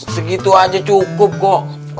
segitu aja cukup kok